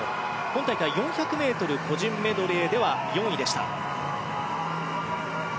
今大会４００ｍ個人メドレーでは４位でした。